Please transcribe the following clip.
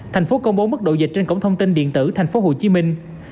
thành phố công bố mức độ dịch trên cổng thông tin điện tử thành phố hồ chí minh